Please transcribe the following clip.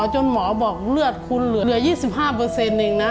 จนหมอบอกเลือดคุณเหลือ๒๕เองนะ